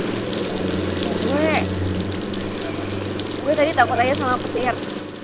gue tadi takut aja sama pesiar